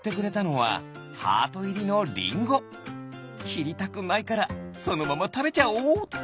きりたくないからそのままたべちゃおうっと。